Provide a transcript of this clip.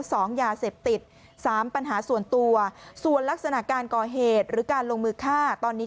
สองยาเสพติดสามปัญหาส่วนตัวส่วนลักษณะการก่อเหตุหรือการลงมือฆ่าตอนนี้